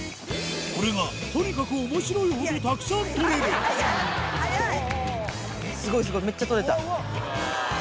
これがとにかく面白いほどたくさん捕れる速い！